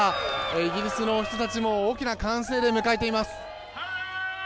イギリスの人たちも大きな歓声で迎えています。